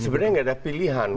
sebenarnya tidak ada pilihan